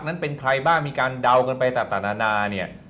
นั้นเป็นใครบ้างมีการเดากันไปต่างนานาเนี่ย